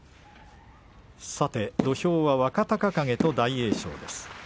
さて土俵は若隆景と大栄翔です。